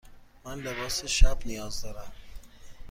من لباس شب نیاز دارم.